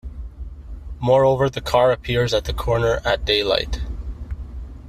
Moreover the car appears at the corner at daylight.